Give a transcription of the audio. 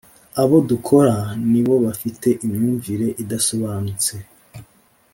abo dukora nibo bafite imyumvire idasobanutse”